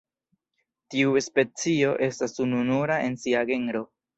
Tiu specio estas ununura en sia genro.